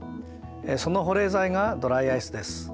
その保冷剤がドライアイスです。